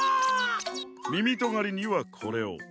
みみとがりにはこれを。